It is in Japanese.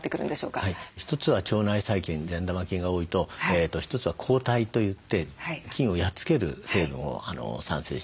一つは腸内細菌善玉菌が多いと一つは抗体といって菌をやっつける成分を産生します。